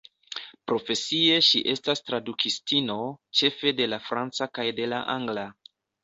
Profesie ŝi estas tradukistino, ĉefe de la franca kaj de la angla.